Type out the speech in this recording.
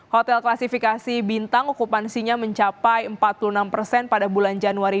hotel klasifikasi bintang okupansinya mencapai empat puluh enam persen pada bulan januari